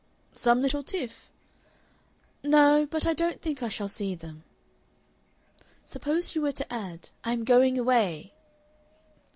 "Some little tiff?" "No; but I don't think I shall see them." Suppose she were to add, "I am going away!"